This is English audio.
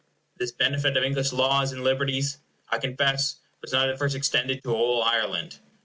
This benefit of English laws and liberties, I confess, was not at first extended to all Ireland.